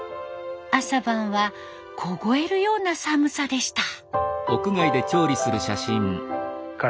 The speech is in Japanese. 朝晩は凍えるような寒さでした。